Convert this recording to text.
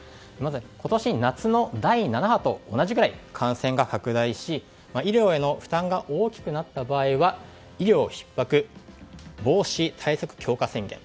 今年夏の第７波と同じくらい感染が拡大し医療への負担が大きくなった場合は医療ひっ迫防止対策強化宣言。